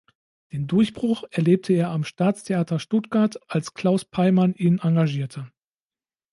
Den Durchbruch erlebte er am Staatstheater Stuttgart, als Claus Peymann ihn engagierte.